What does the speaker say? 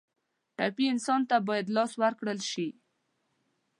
ټپي انسان ته باید لاس ورکړل شي.